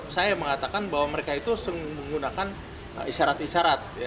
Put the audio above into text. saya mengatakan bahwa mereka itu menggunakan isyarat isyarat